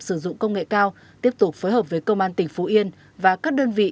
sử dụng công nghệ cao tiếp tục phối hợp với công an tỉnh phú yên và các đơn vị